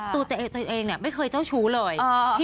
ตัวเองไม่เคยเจ้าชู้เลย